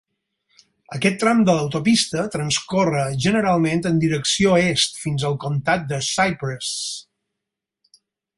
Aquest tram de l'autopista transcorre generalment en direcció est fins al comtat de Cypress.